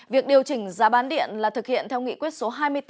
việc điều chỉnh giá bán điện là thực hiện theo nghị quyết số hai mươi bốn